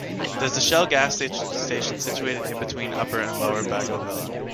There is a Shell gas station situated in-between Upper and Lower Baguio Villa.